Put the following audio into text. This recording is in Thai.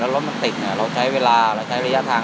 รถมันติดเราใช้เวลาเราใช้ระยะทาง